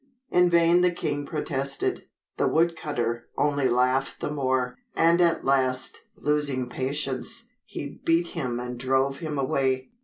In vain the king protested. The wood cutter only laughed the more, and at last, losing patience, he beat him and drove him away.